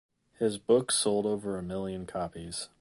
His book sold over a million copies.